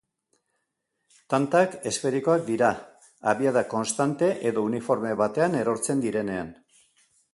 Tantak, esferikoak dira, abiada konstante edo uniforme batean erortzen direnean.